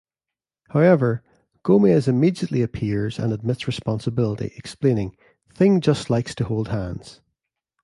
However, Gomez immediately appears and admits responsibility, explaining: "Thing just likes to hold hands".